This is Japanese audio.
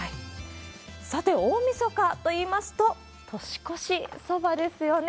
さて、大みそかといいますと、年越しそばですよね。